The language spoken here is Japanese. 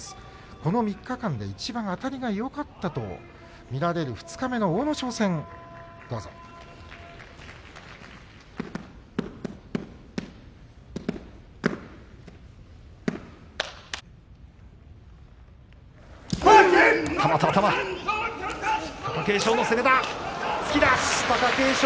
この３日間でいちばんあたりがよかったとみられる二日目の阿武咲戦です。